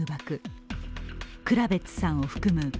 クラベッツさんを含む